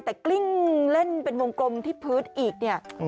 แต่กลิ้งเล่นเป็นวงกลมที่พื้นอีกเนี่ย